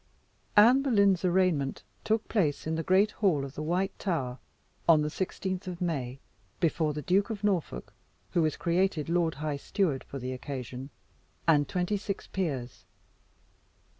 Anne Boleyn's arraignment took place in the great hall of the White Tower, on the 16th of May, before the Duke of Norfolk, who was created lord high steward for the occasion, and twenty six peers.